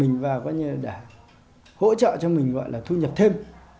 hỗ trợ cho mình thu nhập thêm